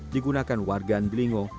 digunakan warga delingo